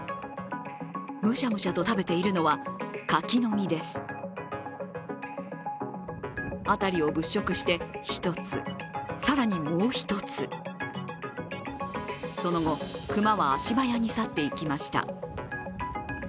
むしゃむしゃと食べているのは柿の実です辺りを物色して、１つ、更にもう一つ、その後、熊は足早に去っていきました。